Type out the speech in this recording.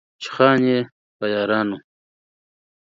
چې خان يې، په يارانو